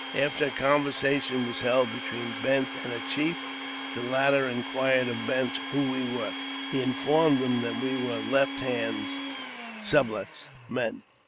After a conversation was held between Bent and the chief, the latter inquired o: Bent who we were. He informed him that we were Left] Hand's (Sublet's) men.